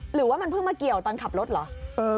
หรือว่ามันเพิ่งมาเกี่ยวตอนขับรถเหรอ